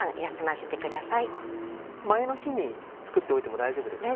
前の日に作っておいても大丈夫ですか？